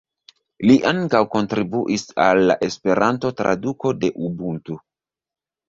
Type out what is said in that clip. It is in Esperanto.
Li ankaŭ kontribuis al la Esperanto-traduko de Ubuntu.